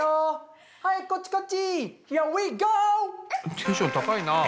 テンション高いなぁ。